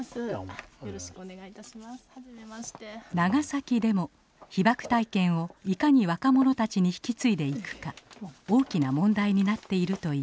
長崎でも被爆体験をいかに若者たちに引き継いでいくか大きな問題になっているといいます。